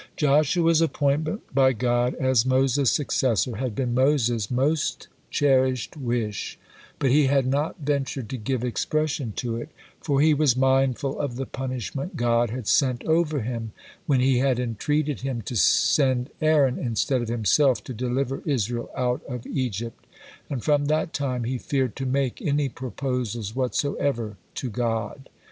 Joshua's appointment by God as Moses' successor had been Moses' most cherished wish, but he had not ventured to give expression to it, for he was mindful of the punishment God had sent over him when he had entreated Him to sent Aaron instead of himself to deliver Israel out of Egypt, and from that time he feared to make any proposals whatsoever to God.